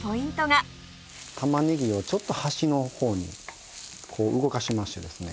玉ねぎをちょっと端の方にこう動かしましてですね